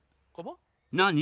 何？